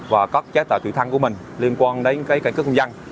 và các chế tạo thủy thăng của mình liên quan đến cây cất công dân